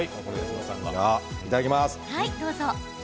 いただきます。